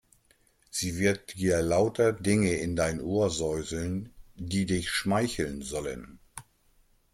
Sie wird dir lauter Dinge in dein Ohr säuseln, die dich schmeicheln sollen.